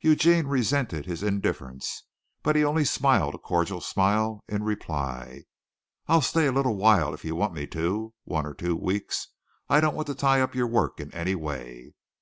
Eugene resented his indifference, but he only smiled a cordial smile in reply. "I'll stay a little while if you want me to one or two weeks I don't want to tie up your work in any way."